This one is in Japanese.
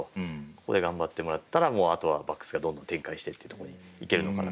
ここで頑張ってもらったらもうあとはバックスがどんどん展開してってとこにいけるのかなと思うんで。